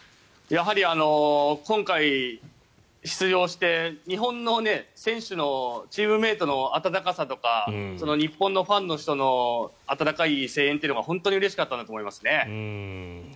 やはり、今回出場して日本の選手のチームメートの温かさとか、日本のファンの人の温かい声援というのが本当にうれしかったんだと思いますね。